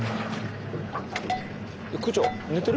区長寝てる？